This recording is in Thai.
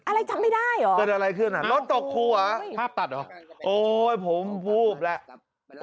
อะไรจับไม่ได้เหรอรถตกครูเหรอโอ้ผมวูบแหละ